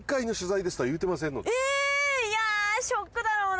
えいやショックだろうな。